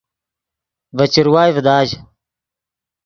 ڤے چروائے ڤداژ